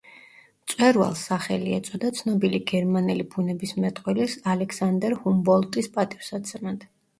მწვერვალს სახელი ეწოდა ცნობილი გერმანელი ბუნებისმეტყველის ალექსანდერ ჰუმბოლდტის პატივსაცემად.